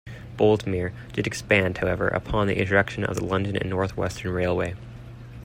Boldmere did expand, however, upon the introduction of the London and North Western Railway.